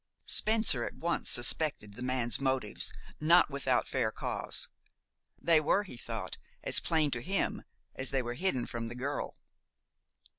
Spencer at once suspected the man's motives, not without fair cause. They were, he thought, as plain to him as they were hidden from the girl.